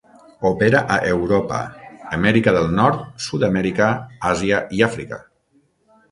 Opera a Europa, Amèrica del Nord, Sud-amèrica, Àsia i Àfrica.